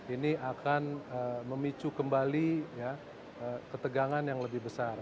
ini akan memicu kembali ketegangan yang lebih besar